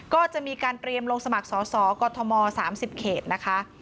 ก็จะมีการเตรียมลงสมัครสอสอกอทม๓๐เขตนะคะ